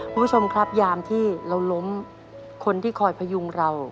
คุณผู้ชมครับยามที่เราล้มคนที่คอยพยุงเรา